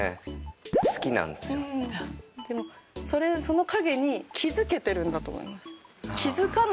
でもその陰に気付けてるんだと思います。